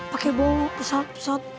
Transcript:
pake bau pesot pesot